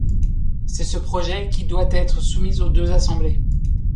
C'est ce projet qui doit être soumis aux deux assemblées.